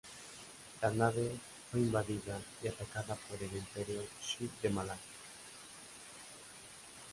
La nave fue invadida y atacada por el Imperio Sith de Malak.